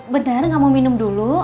bener gak mau minum dulu